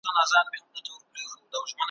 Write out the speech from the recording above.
زموږ د خپل تربور په وینو د زمان ژرنده چلیږي `